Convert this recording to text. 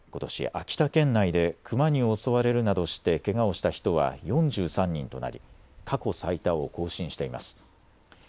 秋田県内でクマに襲われるなどしてけがをした人は４３人となり過去最多を更新しています。